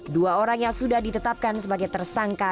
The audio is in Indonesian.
dua orang yang sudah ditetapkan sebagai tersangka